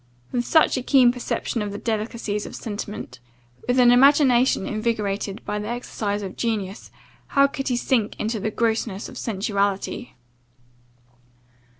With such a keen perception of the delicacies of sentiment, with an imagination invigorated by the exercise of genius, how could he sink into the grossness of sensuality!